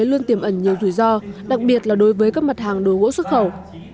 luôn tiềm ẩn nhiều rủi ro đặc biệt là đối với các mặt hàng đồ gỗ xuất khẩu